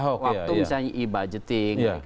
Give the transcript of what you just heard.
waktu misalnya e budgeting